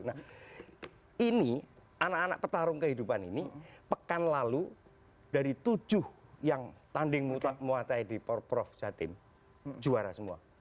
nah ini anak anak petarung kehidupan ini pekan lalu dari tujuh yang tanding muatai di porprof jatim juara semua